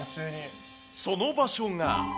その場所が。